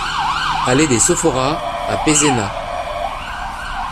Allée des Sophoras à Pézenas